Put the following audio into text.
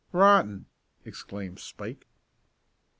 "Rotten!" exclaimed Spike.